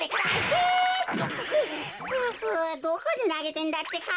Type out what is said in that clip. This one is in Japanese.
くどこになげてんだってか。